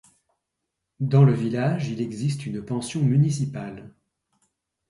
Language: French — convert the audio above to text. Dans le village il existe une pension municipale.